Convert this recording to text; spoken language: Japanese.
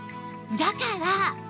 だから